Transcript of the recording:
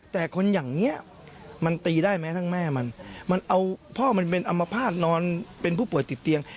แต่คนอย่างนี้มันตีได้ไหมทั้งแม่มันมันเอาพ่อมันเป็นอัมพาตนอนเป็นผู้ป่วยติดเตียง